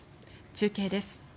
中継です。